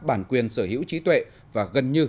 bản quyền sở hữu trí tuệ và gần như